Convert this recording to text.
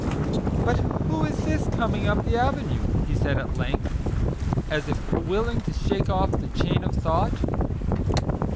"But who is this coming up the avenue?" he said at length, as if willing to shake off the chain of thought.